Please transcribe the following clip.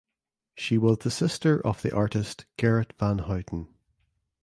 She was the sister of the artist Gerrit van Houten.